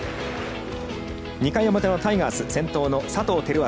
２回表のタイガース先頭の佐藤輝明。